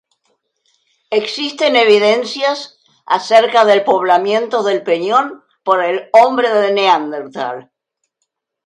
Existen evidencias acerca del poblamiento del peñón por el hombre de Neandertal.